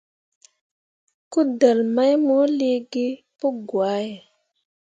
Kudelle mai mo liigi pǝgwahe.